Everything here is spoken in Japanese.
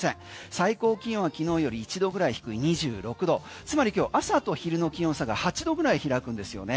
最高気温は昨日より一度ぐらい低い２６度つまり今日、朝と昼の気温差が８度ぐらい開くんですよね。